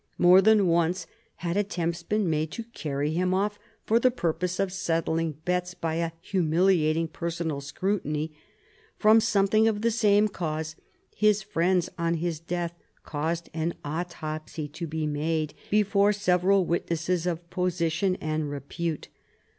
More than once had attempts been made to carry him off for the purpose of settling bets by a humiliating personal scrutiny. From something of the same cause his friends on his death caused an autopsy to be made before several witnesses of position and repute.